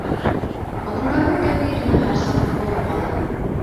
Ҡатындарҙың тәүге иренә һәр саҡ хоҡуғы ҡала.